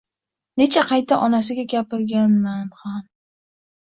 Necha qayta onasiga gapirganman ham